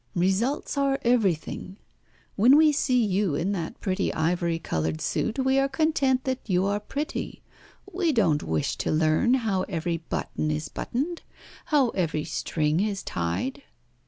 Results are everything. When we see you in that pretty ivory coloured suit we are content that you are pretty; we don't wish to learn how every button is buttoned, how every string is tied."